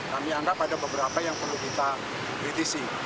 kami anggap ada beberapa yang perlu kita kritisi